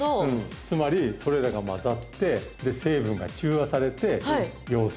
つまりそれらが混ざって成分が中和されてヨウ素